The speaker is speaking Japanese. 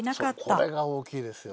そうこれが大きいですよ。